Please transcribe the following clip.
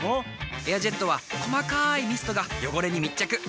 「エアジェット」は細かいミストが汚れに密着。